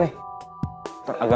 nih kurang nih